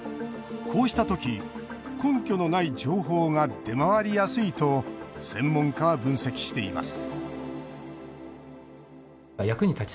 こうした時、根拠のない情報が出回りやすいと専門家は分析しています